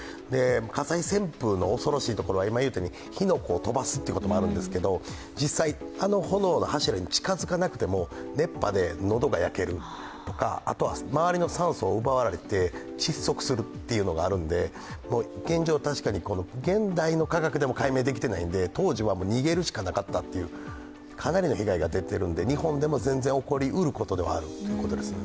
火災旋風の恐ろしいところは、火の粉を飛ばすということもあるんですけれども、実際、あの炎の柱に近づかなくても、熱波で喉が焼けるとか、周りの酸素を奪われて窒息するというのがあるんで、現状、確かに現代の科学でも解明していないので、当時は逃げるしかなかったっていうかなりの被害が出ているので日本でも全然起こりうることですね。